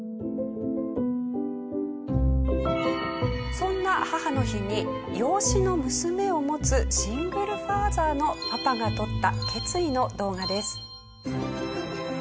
そんな母の日に養子の娘を持つシングルファーザーのパパが撮った決意の動画です。